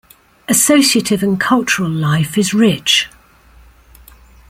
Associative and cultural life is rich.